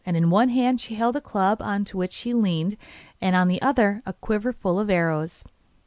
In one hand she held a club on which she leaned, and in the other a quiver full of arrows.